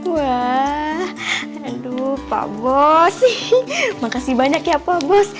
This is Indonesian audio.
wah aduh pak bos makasih banyak ya pak bos